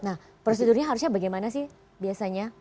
nah prosedurnya harusnya bagaimana sih biasanya